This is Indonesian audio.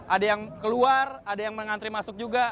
ada yang keluar ada yang mengantri masuk juga